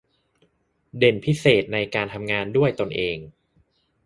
เด่นพิเศษในการทำงานด้วยตนเอง